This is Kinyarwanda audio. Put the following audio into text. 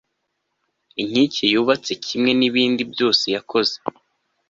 inkike yubatse kimwe n'ibindi byose yakoze